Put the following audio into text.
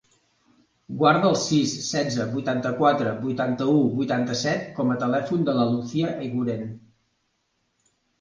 Guarda el sis, setze, vuitanta-quatre, vuitanta-u, vuitanta-set com a telèfon de la Lucía Eguren.